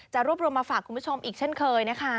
รวบรวมมาฝากคุณผู้ชมอีกเช่นเคยนะคะ